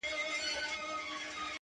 ستا د تصور تصوير كي بيا يوه اوونۍ جگړه’